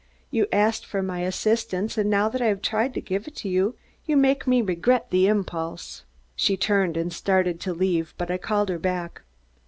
You asked for my assistance and now that I have tried to give it, you make me regret the impulse." She turned and started to leave, but I called her back.